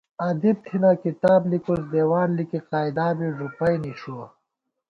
ادیب تھنہ کتاب لِکُوس ، دیوان لِکی قاعدا بی ݫُپَئ نِݭُوَہ